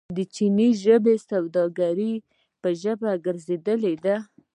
چیني ژبه د سوداګرۍ ژبه ګرځیدلې ده.